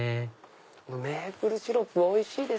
このメープルシロップおいしい。